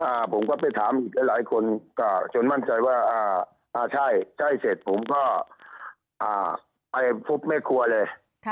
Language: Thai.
ผมก็ไปถามอีกหลายหลายคนก็จนมั่นใจว่าอ่าอ่าใช่ใช่เสร็จผมก็อ่าไปพบแม่ครัวเลยค่ะ